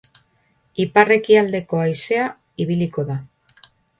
Ipar-ekialdeko haizea ibiliko da.